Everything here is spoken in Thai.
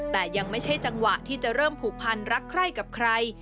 แต่ยังไม่ใช่จังหวะที่จะเริ่มผูกพันรักใคร่กับใคร